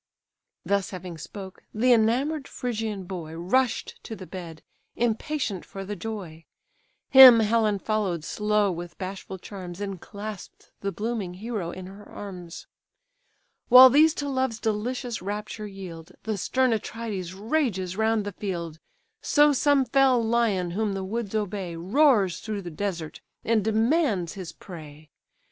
Thus having spoke, the enamour'd Phrygian boy Rush'd to the bed, impatient for the joy. Him Helen follow'd slow with bashful charms, And clasp'd the blooming hero in her arms. While these to love's delicious rapture yield, The stern Atrides rages round the field: So some fell lion whom the woods obey, Roars through the desert, and demands his prey.